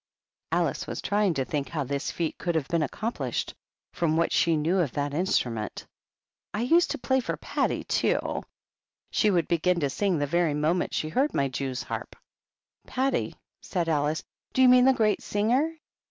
Alice was trying to think how this feat could have been accomplished, from what she knew of that instrument. "I used to play for Patty, too; she would HUMPTY DUMPTY. 91 begin to sing the very moment she heard my jewsharp." " Patti ?" said Alice. " Do you mean the great singer